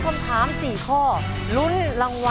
ขอบคุณครับ